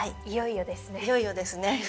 いよいよですね。